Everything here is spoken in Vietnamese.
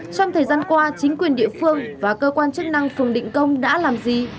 trong thời gian qua chính quyền địa phương và cơ quan chức năng phường định công đã làm gì